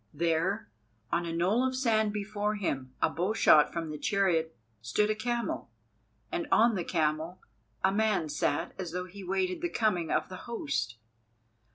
There, on a knoll of sand before him, a bow shot from the chariot, stood a camel, and on the camel a man sat as though he waited the coming of the host.